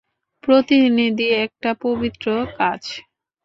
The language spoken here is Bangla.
প্রতিনিধি একটা পবিত্র কাজ।